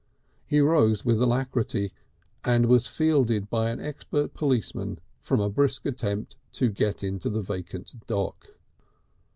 He rose with alacrity and was fielded by an expert policeman from a brisk attempt to get into the vacant dock.